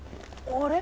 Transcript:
あれ？